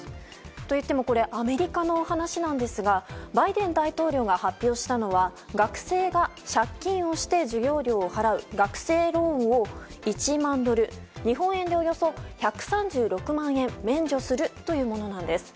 といってもアメリカの話なんですがバイデン大統領が発表したのは学生が借金をして授業料を払う学生ローンを１万ドル日本円でおよそ１３６万円免除するというものなんです。